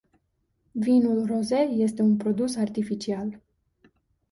Vinul rosé este un produs artificial.